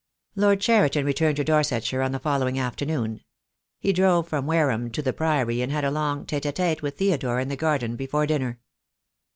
Lord Cheriton returned to Dorsetshire on the follow ing afternoon. He drove from Wareham to the Priory, and had a long tete a tete with Theodore in the garden before dinner.